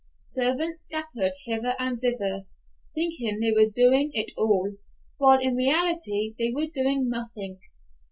Servants scampered hither and thither, thinking they were doing it all, while in reality they were doing nothing.